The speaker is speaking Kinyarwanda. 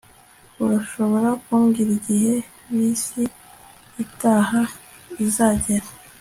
Urashobora kumbwira igihe bisi itaha izagera